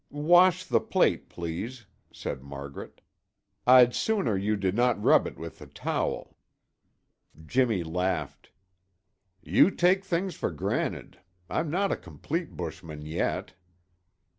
"Wash the plate, please," said Margaret. "I'd sooner you did not rub it with the towel." Jimmy laughed. "You take things for granted. I'm not a complete bushman yet."